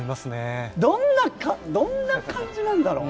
どんな感じなんだろう。